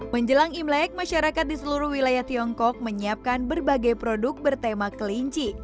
menjelang imlek masyarakat di seluruh wilayah tiongkok menyiapkan berbagai produk bertema kelinci